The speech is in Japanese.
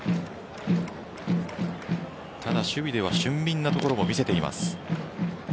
ただ守備では俊敏なところも見せています。